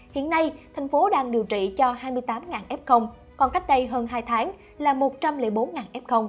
hiện nay thành phố đang điều trị cho hai mươi tám f còn cách đây hơn hai tháng là một trăm linh bốn f